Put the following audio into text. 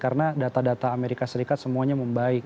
karena data data amerika serikat semuanya membaik